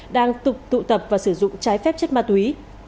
đang tục tụ tập và sử dụng trái phép chất ma túy